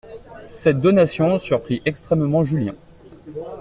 Cette donation surprit extrêmement Julien.